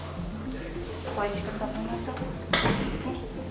おいしく食べましょ。